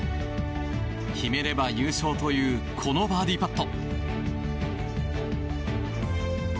決めれば優勝というこのバーディーパット。